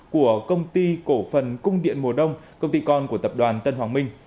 của công ty cổ phần cung điện mùa đông công ty con của tập đoàn tân hoàng minh